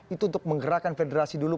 itu untuk menggerakkan federasi dulu